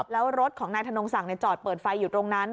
แล้วรถของนายธนงศักดิ์จอดเปิดไฟอยู่ตรงนั้น